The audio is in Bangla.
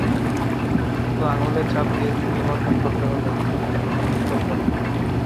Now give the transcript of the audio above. কিন্তু আঙুলের ছাপ দিয়ে সিম নিবন্ধন করতে হলে এনআইডির কোনো বিকল্প নেই।